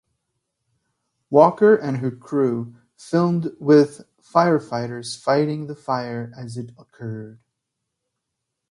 Walker and her crew filmed with firefighters fighting the fire as it occurred.